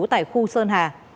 tại khu sơn hà